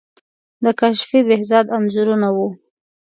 د کاشفی، بهزاد انځورونه وو.